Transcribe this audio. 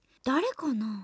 誰かな？